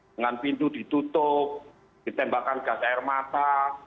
dengan pintu ditutup ditembakkan gas air mata